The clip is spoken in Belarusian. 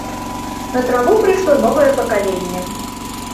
На траву прыйшло новае пакаленне.